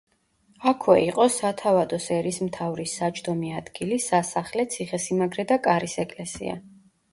აქვე იყო სათავადოს ერისმთავრის საჯდომი ადგილი, სასახლე, ციხე-სიმაგრე და კარის ეკლესია.